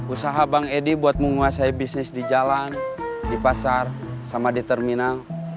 usaha bang edi buat menguasai bisnis di jalan di pasar sama di terminal